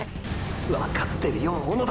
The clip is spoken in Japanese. わかってるよ小野田！！